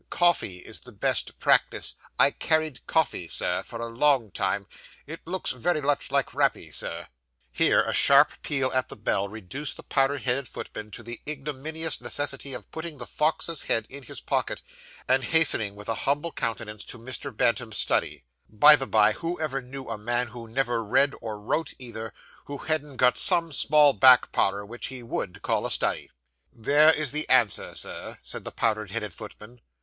Coffee is the best practice. I carried coffee, Sir, for a long time. It looks very like rappee, sir.' Here, a sharp peal at the bell reduced the powdered headed footman to the ignominious necessity of putting the fox's head in his pocket, and hastening with a humble countenance to Mr. Bantam's 'study.' By the bye, who ever knew a man who never read or wrote either, who hadn't got some small back parlour which he _would _call a study! 'There is the answer, sir,' said the powdered headed footman.